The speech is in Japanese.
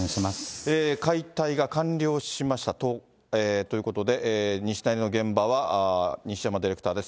解体が完了しましたということで、西成の現場は西山ディレクターです。